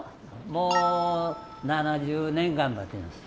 もう７０年頑張ってます。